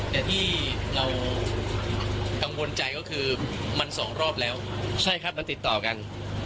แต่ที่เรากังวลใจก็คือมันสองรอบแล้วใช่ครับมันติดต่อกัน